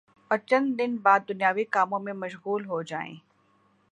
اور چند دن بعد دنیاوی کاموں میں مشغول ہو جائیں